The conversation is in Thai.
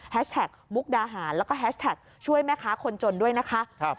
แท็กมุกดาหารแล้วก็แฮชแท็กช่วยแม่ค้าคนจนด้วยนะคะ